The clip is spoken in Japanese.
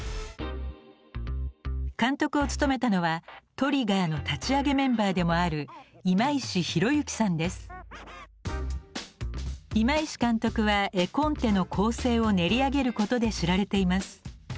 監督を務めたのはＴＲＩＧＧＥＲの立ち上げメンバーでもある今石監督は絵コンテの構成を練り上げることで知られています。